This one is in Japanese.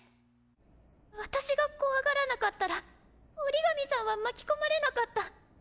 私が怖がらなかったら折紙さんは巻き込まれなかった。